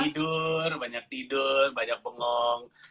tidur banyak tidur banyak bengong